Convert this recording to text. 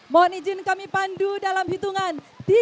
mohon izin kami pandu dalam hitungan